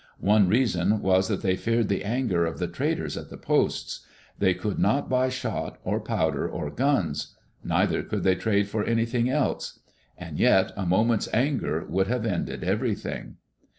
One reason was that they feared the anger of the traders at the posts. They could not buy shot, or powder, or guns. Neither could diey trade for anjrthing else. And yet a moment's anger would have ended everything.